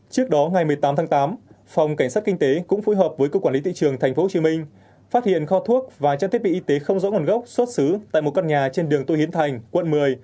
trước đó ngày một mươi tám tháng tám phòng cảnh sát kinh tế cũng phối hợp với cục quản lý thị trường tp hcm phát hiện kho thuốc và trang thiết bị y tế không rõ nguồn gốc xuất xứ tại một căn nhà trên đường tô hiến thành quận một mươi